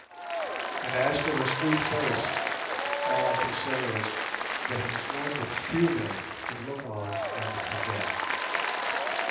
And as for her sweet face, all I can say is, that it was one that few men could look on and forget.